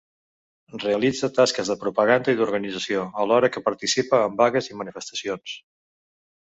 Realitza tasques de propaganda i d'organització, alhora que participa en vagues i manifestacions.